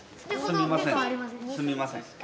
すみません。